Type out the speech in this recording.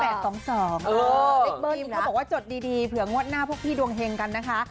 เลขเบอร์นี้เขาบอกว่าจดดีเผื่องวดหน้าพวกพี่ดวงเฮงกันนะคะ